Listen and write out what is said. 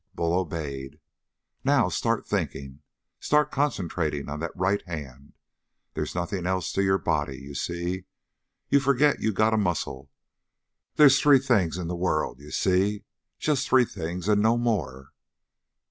Bull obeyed. "Now start thinking. Start concentrating on that right hand. There's nothing else to your body. You see? You forget you got a muscle. There's three things in the world. You see? Just three things and no more.